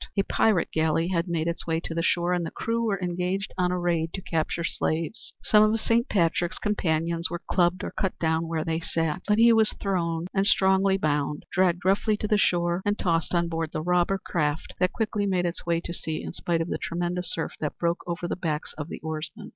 A pirate galley had made its way to the shore and the crew were engaged on a raid to capture slaves. Some of Saint Patrick's companions were clubbed or cut down where they sat, but he was thrown and strongly bound, dragged roughly to the shore and tossed on board the robber craft that quickly made its way to sea in spite of the tremendous surf that broke over the backs of the oarsmen.